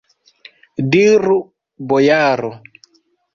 Diru, bojaro!